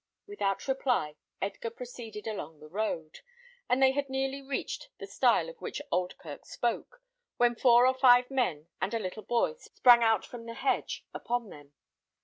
Without reply Edgar proceeded along the road; and they had nearly reached the stile of which Oldkirk spoke, when four or five men and a little boy sprang out from the hedge upon them.